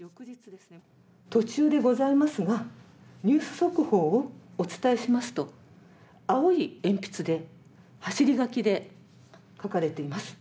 「途中でございますがニュース速報をお伝えします」と青い鉛筆で走り書きで書かれています。